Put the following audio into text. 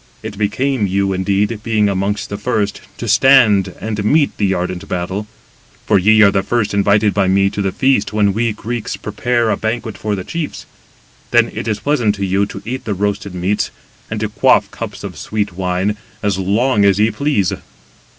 It became you, indeed, being amongst the first, to stand and meet the ardent battle. For ye are the first invited by me to the feast when we Greeks prepare a banquet for the chiefs. Then it is pleasant to you to eat the roasted meats, and to quaff cups of sweet wine, as long as ye please.